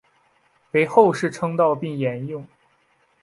为后世称道并沿用。